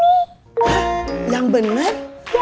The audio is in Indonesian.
hah yang bener